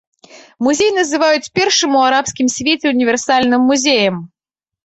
Музей называюць першым у арабскім свеце універсальным музеем.